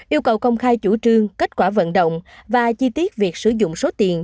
yêu cầu công khai chủ trương kết quả vận động và chi tiết việc sử dụng số tiền